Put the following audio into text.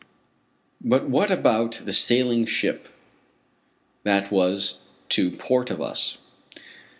But what about the sailing ship that was to port of us?